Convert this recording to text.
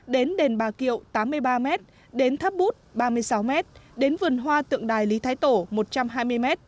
đến đền bà kiệu tám mươi ba m đến tháp bút ba mươi sáu m đến vườn hoa tượng đài lý thái tổ một trăm hai mươi m